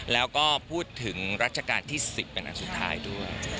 แล้วก็พูดถึงรัชกาลที่๑๐เป็นอันสุดท้ายด้วย